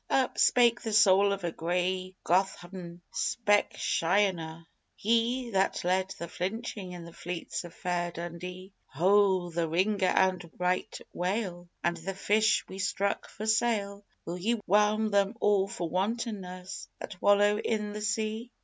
Up spake the soul of a gray Gothavn 'speckshioner (He that led the flinching in the fleets of fair Dundee): "Ho, the ringer and right whale, And the fish we struck for sale, Will Ye whelm them all for wantonness that wallow in the sea?"